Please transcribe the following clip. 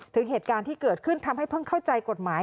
ถึงเหตุการณ์ที่เกิดขึ้นทำให้เพิ่งเข้าใจกฎหมาย